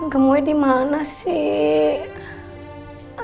gemoy di mana sih